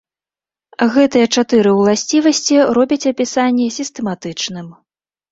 Гэтыя чатыры ўласцівасці робяць апісанне сістэматычным.